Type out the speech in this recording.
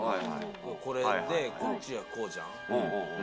これでこっちはこうじゃん。